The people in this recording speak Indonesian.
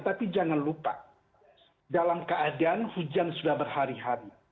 tapi jangan lupa dalam keadaan hujan sudah berhari hari